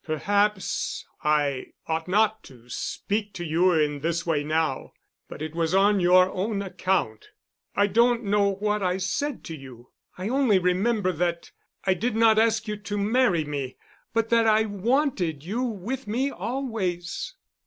"Perhaps I ought not to speak to you in this way now. But it was on your own account. I don't know what I said to you. I only remember that I did not ask you to marry me, but that I wanted you with me always."